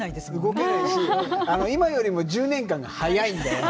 動けないし今よりも１０年間が早いんだよね。